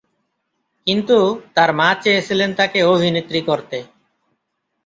কিন্তু, তার মা চেয়েছিলেন তাকে অভিনেত্রী করতে।